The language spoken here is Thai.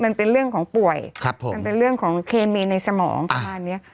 มันเป็นเรื่องของป่วยมันเป็นเรื่องของเคมีในสมองประมาณเนี้ย